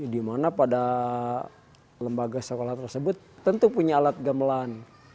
dimana pada lembaga sekolah tersebut tentu punya alat gamelan